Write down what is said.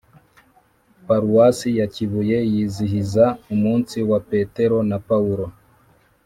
paruwasi ya kibuye yizihiza umunsi wa petero na paulo